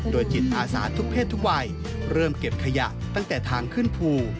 โดยจิตอาสาทุกเพศทุกวัยเริ่มเก็บขยะตั้งแต่ทางขึ้นภู